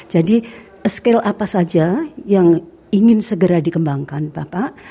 jadi skill apa saja yang ingin segera dikembangkan bapak